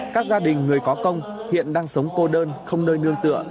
các gia đình người có công hiện đang sống cô đơn không nơi nương tựa